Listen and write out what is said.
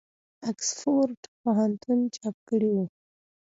آکسفورډ پوهنتون چاپ کړی وو.